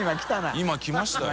今きましたよ。